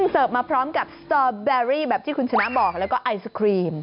เสิร์ฟมาพร้อมกับสตอแบรี่แบบที่คุณชนะบอกแล้วก็ไอศครีม